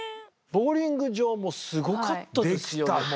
ボウリング場もすごかったですよね。